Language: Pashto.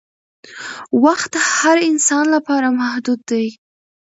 وخت د هر انسان لپاره محدود دی